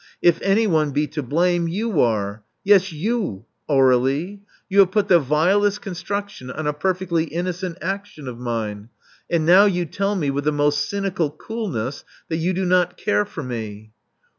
If anyone be to blame, you are — ^yes, you, Aur61ie. You have put the vilest construction on a perfectly inno cent action of mine; and now yon tell me with the most cynical coolness that you do not care for me.'